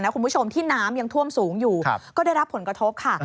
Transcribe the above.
คุณผู้ชมที่น้ำยังท่วมสูงอยู่ก็ได้รับผลกระทบค่ะ